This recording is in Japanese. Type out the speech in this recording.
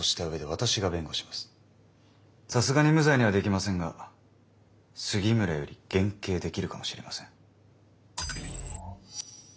さすがに無罪にはできませんが杉村より減刑できるかもしれません。